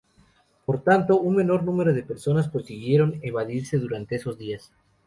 Por tanto, un menor número de personas consiguieron evadirse durante esos días.